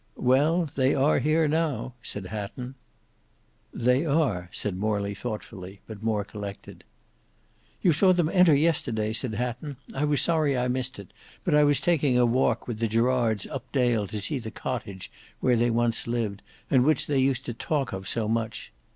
"Well they are here now," said Hatton. "They are," said Morley thoughtfully, but more collected. "You saw them enter yesterday?" said Hatton. "I was sorry I missed it, but I was taking a walk with the Gerards up Dale to see the cottage where they once lived, and which they used to talk of so much!